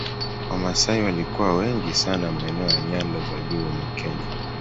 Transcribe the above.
Wamasai walikuwa wengi sana maeneo ya nyanda za juu mwa Kenya